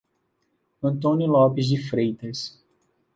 Antônio Lopes de Freitas